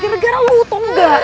gara gara lu tau ga